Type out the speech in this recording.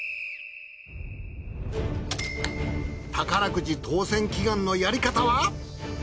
宝くじ当選祈願のやり方は？